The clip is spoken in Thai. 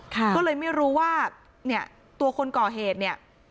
ก็เลยไม่รู้ว่าเนี่ยตัวคนก่อเหตุเนี่ย